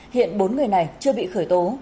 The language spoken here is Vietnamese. hiện bốn người này chưa bị khởi tố